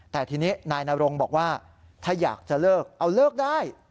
แต่ทีนี้นายนรงบอกว่าถ้าอยากจะเลิกเอาเลิกได้